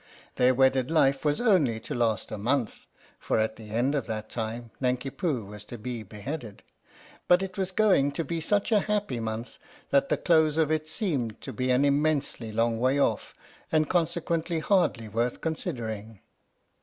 Their wedded life was only to last a month (for at the end of that time Nanki Poo was to be beheaded), but it was going to be such a happy month that the close of it seemed to be an immensely long way off and conse quently hardly worth considering.